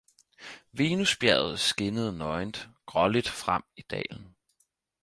Venusbjerget skinnede nøgent graaligt frem i Dalen.